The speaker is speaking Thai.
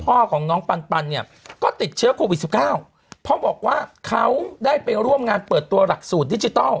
พ่อของน้องปันปันเนี่ยก็ติดเชื้อโควิดสิบเก้าเพราะบอกว่าเขาได้ไปร่วมงานเปิดตัวหลักสูตรดิจิทัล